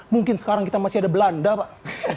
mungkin sekarang kita masih ada belanda pak